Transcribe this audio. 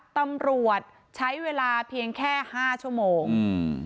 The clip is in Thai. ตำรวจใช้เวลาเพียงแค่ห้าชั่วโมงอืม